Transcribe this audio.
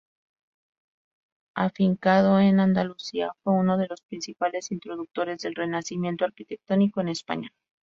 Afincado en Andalucía, fue uno de los principales introductores del Renacimiento arquitectónico en España.